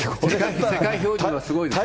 世界標準はすごいですね。